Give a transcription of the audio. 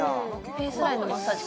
フェイスラインのマッサージ